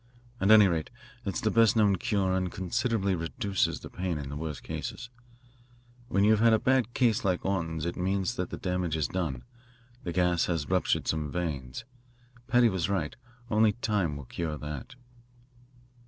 At any rate, it is the best known cure and considerably reduces the pain in the worst cases. When you have a bad case like Orton's it means that the damage is done; the gas has ruptured some veins. Paddy was right. Only time will cure that."